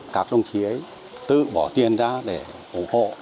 các đồng chí ấy tự bỏ tiền ra để ủng hộ